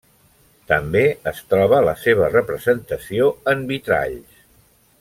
També es troba la seva representació en vitralls.